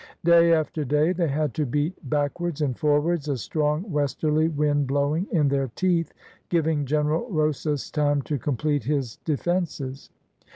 Day after day they had to beat backwards and forwards, a strong westerly wind blowing in their teeth, giving General Rosas time to complete his defences.